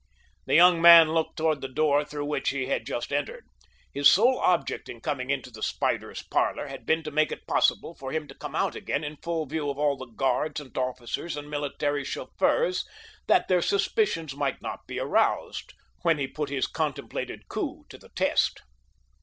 The young man looked toward the door through which he had just entered. His sole object in coming into the spider's parlor had been to make it possible for him to come out again in full view of all the guards and officers and military chauffeurs, that their suspicions might not be aroused when he put his contemplated coup to the test.